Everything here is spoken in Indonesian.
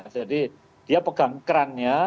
jadi dia pegang kran nya